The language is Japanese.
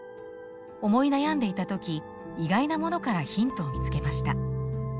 思い悩んでいた時意外なものからヒントを見つけました。